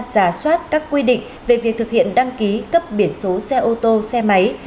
giả soát các quy định về việc thực hiện đăng ký cấp biển số xe ô tô xe máy